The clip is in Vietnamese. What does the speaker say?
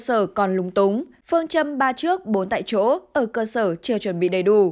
ở con lung túng phương châm ba trước bốn tại chỗ ở cơ sở chưa chuẩn bị đầy đủ